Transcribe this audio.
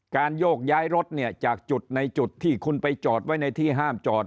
โยกย้ายรถเนี่ยจากจุดในจุดที่คุณไปจอดไว้ในที่ห้ามจอด